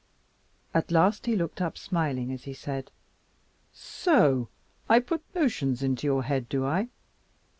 At last he looked up, smiling as he said, "So I put notions into your head, do I?"